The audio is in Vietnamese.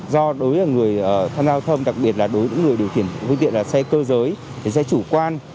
do đối với người tham gia giao thông đặc biệt là đối với những người điều khiển phương tiện là xe cơ giới xe chủ quan